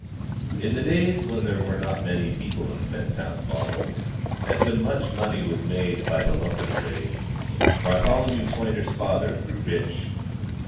In the days when there were not many people in Fentown Falls, and when much money was made by the lumber trade, Bartholomew Toyner's father grew rich.